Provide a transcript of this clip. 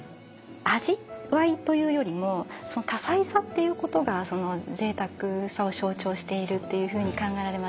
味わいというよりもその多彩さっていうことがそのぜいたくさを象徴しているっていうふうに考えられますよね。